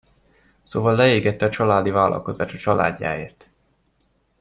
Szóval leégette a családi vállalkozást a családjáért.